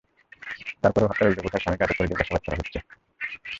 তার পরও হত্যার অভিযোগ ওঠায় স্বামীকে আটক করে জিজ্ঞাসাবাদ করা হচ্ছে।